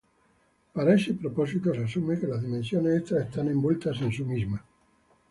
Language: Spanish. Para este propósito, se asume que las dimensiones extra están envueltas en su misma.